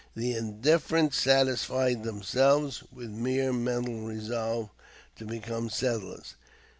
The indifferent satisfied themselves with mere mental resolves to become settlers.